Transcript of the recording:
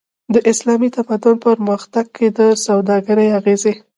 د اسلامي تمدن په پرمختګ کی د سوداګری اغیز